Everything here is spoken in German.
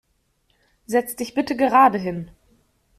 Setz dich bitte gerade hin!